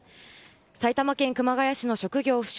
埼玉県熊谷市の職業不詳